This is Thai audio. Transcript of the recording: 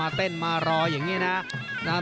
นักมวยจอมคำหวังเว่เลยนะครับ